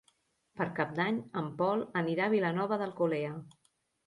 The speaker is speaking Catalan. Per Cap d'Any en Pol anirà a Vilanova d'Alcolea.